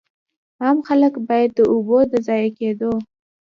عام خلک باید د اوبو د ضایع کېدو.